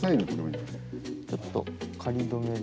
ちょっと仮留めで。